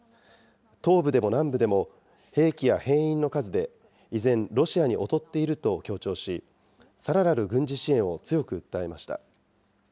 東部でも南部でも兵器や兵員の数で依然、ロシアに劣っていると強調し、さらなる軍事支援を強く訴えました。